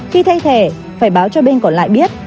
khi thay thẻ phải báo cho bên còn lại biết